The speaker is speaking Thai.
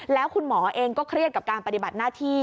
แล้วคุณหมอเองก็เครียดกับการปฏิบัติหน้าที่